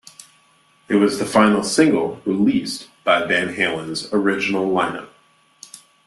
It was the final single released by Van Halen's original lineup.